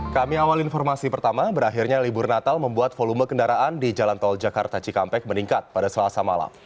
kami awal informasi pertama berakhirnya libur natal membuat volume kendaraan di jalan tol jakarta cikampek meningkat pada selasa malam